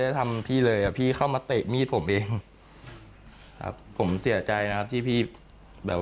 ได้ทำพี่เลยพี่เข้ามาเตะมีดผมเองผมเสียใจนะที่พี่แบบ